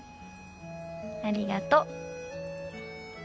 ありがと。